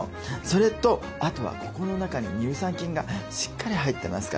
それとあとはここの中に乳酸菌がしっかり入ってますから。